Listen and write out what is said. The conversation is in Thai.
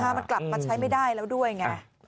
มันกลับมาใช้ไม่ได้แล้วด้วยไง